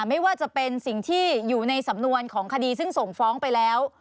ไม่ว่าจะเป็นสิ่งที่อยู่ในสำนวนของคดีซึ่งส่งฟ้องไปแล้ว